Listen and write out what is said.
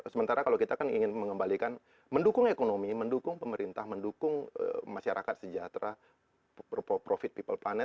sementara kalau kita kan ingin mengembalikan mendukung ekonomi mendukung pemerintah mendukung masyarakat sejahtera profit people planet